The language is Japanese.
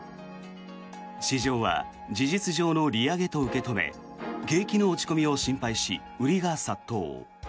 市場は事実上の利上げと受け止め景気の落ち込みを心配し売りが殺到。